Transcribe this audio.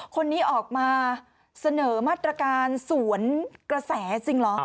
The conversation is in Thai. คนนี้ออกมาเสนอมาตรการสวนกระแสจริงเหรอ